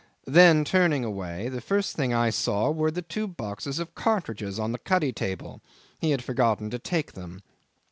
Then turning away, the first thing I saw were the two boxes of cartridges on the cuddy table. He had forgotten to take them.